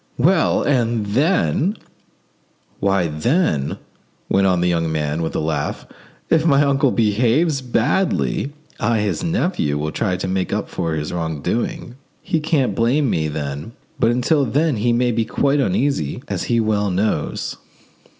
"Well, and then——" "Why, then," went on the young man, with a laugh, "if my uncle behaves badly, I, his nephew, will try to make up for his wrong doing: he can't blame me then. But until then he may be quite easy, as he well knows."